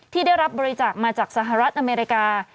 ที่ได้รับบริจาคมาจากสหรัฐอเมริกา